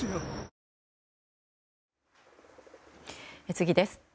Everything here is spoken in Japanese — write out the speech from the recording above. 次です。